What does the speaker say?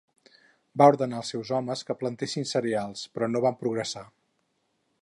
Va ordenar als seus homes que plantessin cereals, però no van progressar.